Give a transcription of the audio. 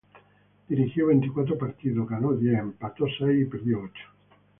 Dirigió veinticuatro partidos, ganó diez, empató seis y perdió ocho.